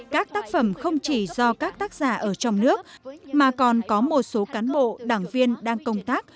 các tác phẩm không chỉ do các tác giả ở trong nước mà còn có một số cán bộ đảng viên đang công tác